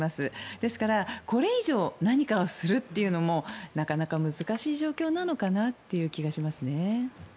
ですからこれ以上何かをするというのもなかなか難しい状況なのかなという気がしますね。